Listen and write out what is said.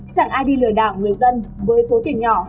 chặn ai đi lừa đảo người dân với số tiền nhỏ